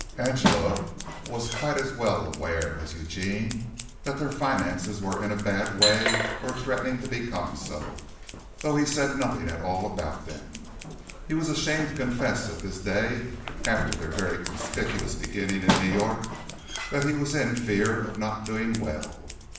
Angela was quite as well aware as Eugene that their finances were in a bad way or threatening to become so, though he said nothing at all about them. He was ashamed to confess at this day, after their very conspicuous beginning in New York, that he was in fear of not doing well.